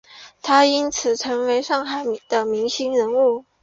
他也因此成为上海的明星人物。